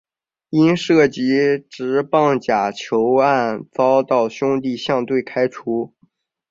因涉及职棒假球案遭到兄弟象队开除。